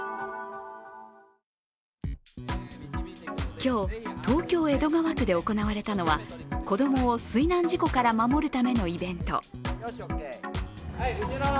今日、東京・江戸川区で行われたのは、子供を水難事故から守るためのイベント。